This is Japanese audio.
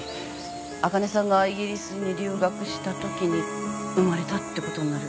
あかねさんがイギリスに留学したときに生まれたってことになる。